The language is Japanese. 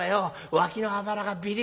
脇のあばらがびり